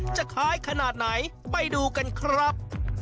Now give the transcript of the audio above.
จะคล้ายขนาดไหนไปดูกันครับ